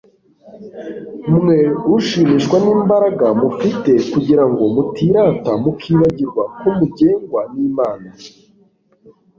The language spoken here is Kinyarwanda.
Mwe ushimishwa n'imbaraga mufite kugira ngo mutirata mukibagirwa ko mugengwa n'Imana.